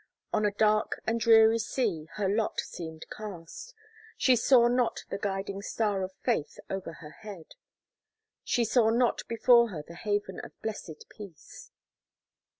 On a dark and dreary sea, her lot seemed cast; she saw not the guiding star of faith over her head. She saw not before her the haven of blessed peace.